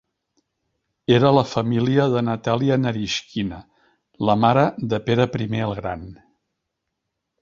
Era la família de Natalia Naryshkina, la mare de Pere I el Gran.